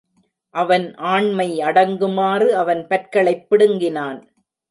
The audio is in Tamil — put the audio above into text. அவன் ஆண்மை அடங்குமாறு அவன் பற்களைப் பிடுங்கினான்.